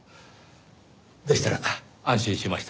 でしたら安心しました。